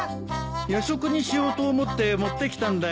夜食にしようと思って持ってきたんだよ。